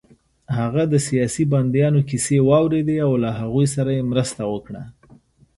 هغه د سیاسي بندیانو کیسې واورېدې او له هغوی سره يې مرسته وکړه